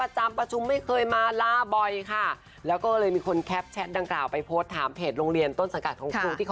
ครูเต้ยมาร่วมกิจกรรมหน้าแสวทงตลอดมาสอนปกติ